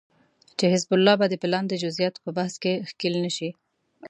چې حزب الله به د پلان د جزياتو په بحث کې ښکېل نشي